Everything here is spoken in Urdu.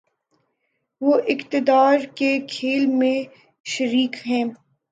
وہ اقتدار کے کھیل میں شریک ہیں۔